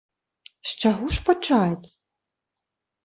З чаго ж пачаць?